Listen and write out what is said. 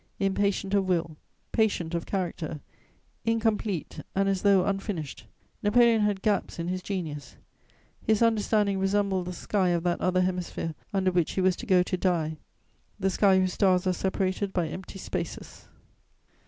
Impatient of will, patient of character, incomplete and as though unfinished, Napoleon had gaps in his genius: his understanding resembled the sky of that other hemisphere under which he was to go to die, the sky whose stars are separated by empty spaces.